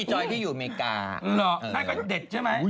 เหรอน่ากว่าเด็ดใช่ไหม